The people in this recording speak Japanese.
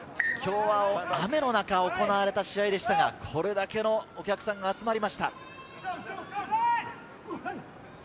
雨の中行われた試合でしたが、これだけのお客さんが集まりました。